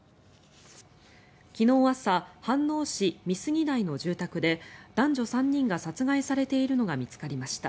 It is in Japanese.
昨日朝、飯能市美杉台の住宅で男女３人が殺害されているのが見つかりました。